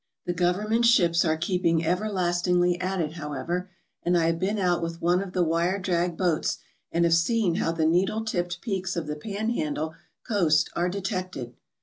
The Govern ment's ships are keeping everlastingly at it, however, and I have been out with one of the wire drag boats and have seen how the needle tipped peaks of the Panhandle coast are detected.